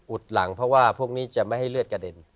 หลังเพราะว่าพวกนี้จะไม่ให้เลือดกระเด็น